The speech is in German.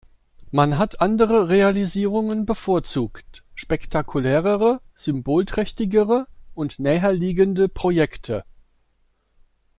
Man hat andere Realisierungen bevorzugt, spektakulärere, symbolträchtigere und näherliegende Projekte.